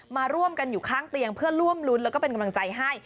มาร่วมกันอยู่ข้างเตียงเพื่อร่วมรุ้นแล้วก็เป็นกำลังใจให้